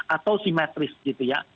atau simetris gitu ya